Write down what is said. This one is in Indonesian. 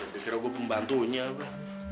kira kira gue pembantunya apa